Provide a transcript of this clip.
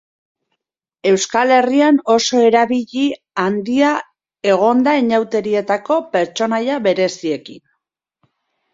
Euskal Herrian oso erabili handia egon da inauterietako pertsonaia bereziekin.